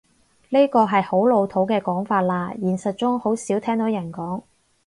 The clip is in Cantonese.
呢個係好老土嘅講法喇，現實中好少聽到人講